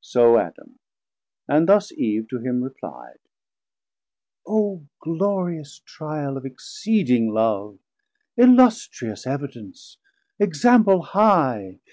So Adam, and thus Eve to him repli'd. 960 O glorious trial of exceeding Love, Illustrious evidence, example high!